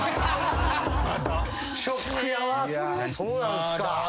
そうなんすか。